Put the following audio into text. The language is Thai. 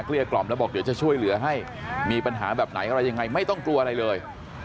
เรียกกล่อมแล้วบอกเดี๋ยวจะช่วยเหลือให้มีปัญหาแบบไหนอะไรยังไงไม่ต้องกลัวอะไรเลย